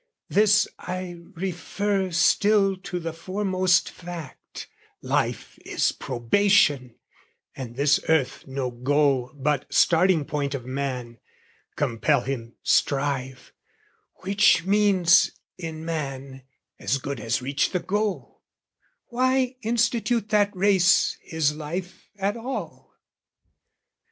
This I refer still to the foremost fact, Life is probation and this earth no goal But starting point of man: compel him strive, Which means, in man, as good as reach the goal, Why institute that race, his life, at all?